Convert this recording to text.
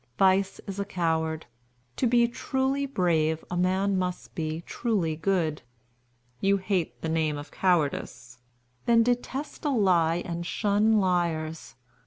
Vice is a coward. To be truly brave, a man must be truly good. You hate the name of cowardice; then detest a lie and shun liars.